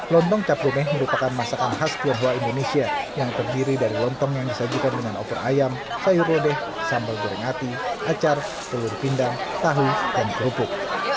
lontong cap gomeh merupakan masakan khas tionghoa indonesia yang terdiri dari lontong yang disajikan dengan opor ayam sayur odeh sambal goreng ati acar telur pindang tahu dan kerupuk